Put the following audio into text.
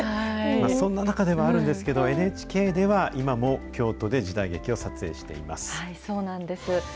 そんな中ではあるんですけど、ＮＨＫでは、今も京都で時代劇をそうなんです。